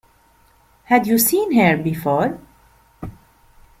Had you seen her before?